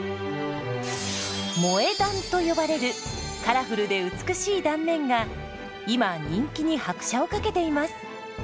「萌え断」と呼ばれるカラフルで美しい断面が今人気に拍車をかけています。